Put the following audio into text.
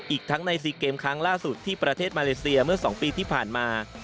อีกทั้งใน๔เกมครั้งล่าสุดที่ประเทศมาเลเซียเมื่อ๒ปีที่ผ่านมา